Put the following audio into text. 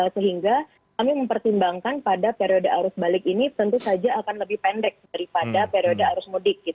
sehingga kami mempertimbangkan pada periode arus balik ini tentu saja akan lebih pendek daripada periode arus mudik